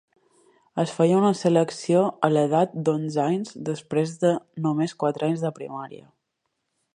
Es feia una selecció a l'edat d'onze anys després de només quatre anys de primària.